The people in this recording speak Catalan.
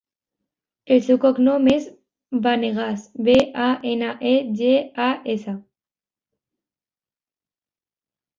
El seu cognom és Banegas: be, a, ena, e, ge, a, essa.